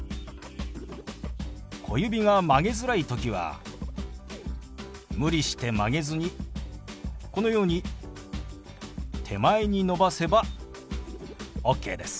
小指が曲げづらい時は無理して曲げずにこのように手前に伸ばせばオッケーです。